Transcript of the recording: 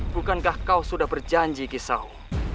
bukankah kau sudah berjanji ki sao